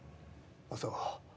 そう。